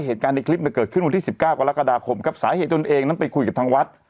เหตุการณ์ในคลิปมันเกิดขึ้นวันที่สิบก้าวกว่าละกาดาคมครับสาเหตุตัวเองนั้นไปคุยกับทางวัด